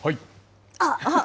あっ。